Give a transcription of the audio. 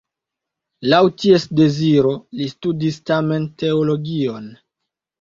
Laŭ ties deziro li studis tamen teologion.